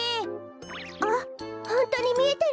あホントにみえてるんだ。